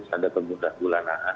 ada perguruan anan